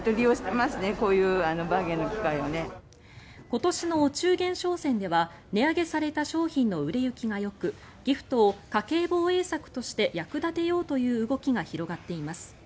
今年のお中元商戦では値上げされた商品の売れ行きがよくギフトを家計防衛策として役立てようという動きが広がっています。